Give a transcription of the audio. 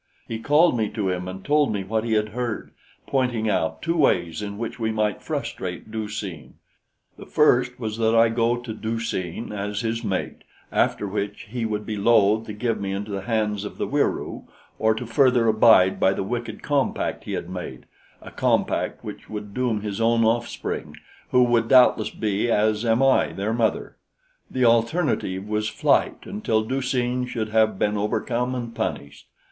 He called me to him and told me what he had heard, pointing out two ways in which we might frustrate Du seen. The first was that I go to Du seen as his mate, after which he would be loath to give me into the hands of the Wieroo or to further abide by the wicked compact he had made a compact which would doom his own offspring, who would doubtless be as am I, their mother. The alternative was flight until Du seen should have been overcome and punished.